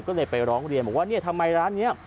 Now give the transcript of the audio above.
ก็เลยไปร้องเรียนบอกว่าเนี่ยทำไมร้านนี้